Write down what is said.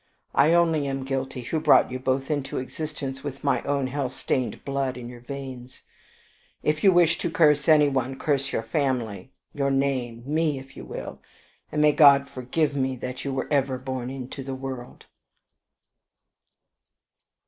I only am guilty, who brought you both into existence with my own hell stained blood in your veins. If you wish to curse anyone, curse your family, your name, me if you will, and may God forgive me that you were ever born into the world!'"